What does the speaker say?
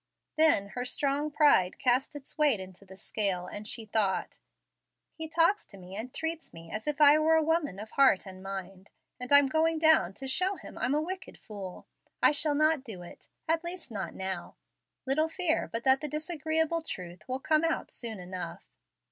Then her strong pride cast its weight into the scale, and she thought: "He talks to me and treats me as if I were a woman of heart and mind, and I'm going down to show him I'm a wicked fool. I shall not do it, at least not now. Little fear but that the disagreeable truth will come out soon enough."